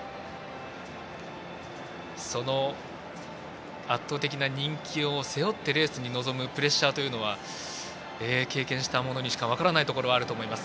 その圧倒的な人気を背負ってレースに臨むプレッシャーというのは経験した者にしか分からないものはあると思います。